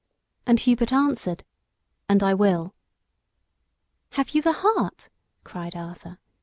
And Hubert answered, "And I will." "Have you the heart?" cried Arthur.